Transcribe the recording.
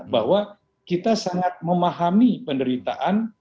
bahwa kita sangat memahami penderitaan